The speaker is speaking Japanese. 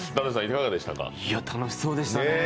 いや楽しそうでしたね。